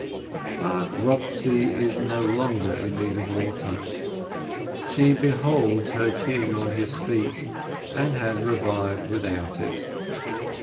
..." But Rochtzi is no longer in need of water : she beholds her "king" on his feet, and has revived without it.